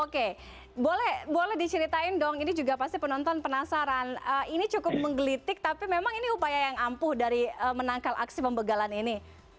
oke boleh diceritain dong ini juga pasti penonton penasaran ini cukup menggelitik tapi memang ini upaya yang ampuh dari menangkal aksi pembegalan ini